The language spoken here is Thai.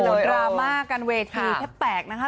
โอ้โหดราม่ากันเวทีแทบแปลกนะคะ